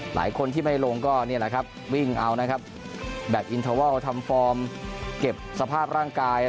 หลายคนที่ไม่ลงก็วิ่งเอาแบบอินเทอวอลทำฟอร์มเก็บสภาพร่างกาย